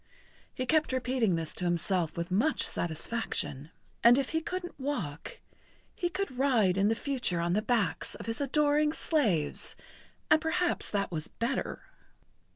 He kept repeating this to himself with much[Pg 77] satisfaction. And if he couldn't walk, he could ride in the future on the backs of his adoring slaves and perhaps that was better.